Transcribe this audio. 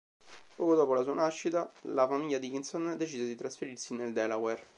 Poco dopo la sua nascita, la famiglia Dickinson decise di trasferirsi nel Delaware.